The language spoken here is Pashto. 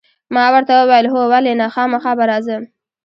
ما ورته وویل: هو، ولې نه، خامخا به راځم.